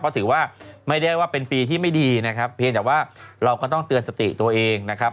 เพราะถือว่าไม่ได้ว่าเป็นปีที่ไม่ดีนะครับเพียงแต่ว่าเราก็ต้องเตือนสติตัวเองนะครับ